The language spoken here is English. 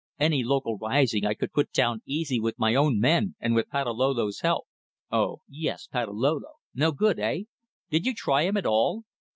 Any local rising I could put down easy with my own men and with Patalolo's help." "Oh! yes. Patalolo. No good. Eh? Did you try him at all?"